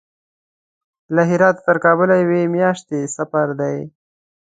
له هراته تر کابل یوې میاشتې سفر دی.